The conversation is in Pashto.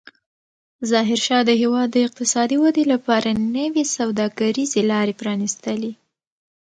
ظاهرشاه د هېواد د اقتصادي ودې لپاره نوې سوداګریزې لارې پرانستلې.